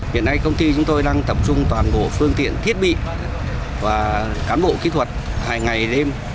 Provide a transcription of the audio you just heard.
hiện nay công ty chúng tôi đang tập trung toàn bộ phương tiện thiết bị và cán bộ kỹ thuật hàng ngày đêm